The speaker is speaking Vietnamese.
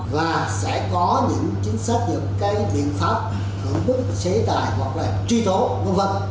và sẽ có những chính xác như các biện pháp hưởng bức chế tài hoặc là truy tố v v